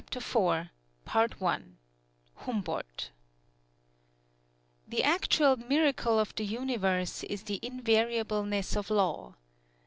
[Illustration: HUMBOLDT] HUMBOLDT The actual miracle of the Universe is the invariableness of Law.